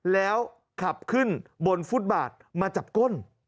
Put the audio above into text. แล้วขับขึ้นบนฟุตบาทมาจับก้น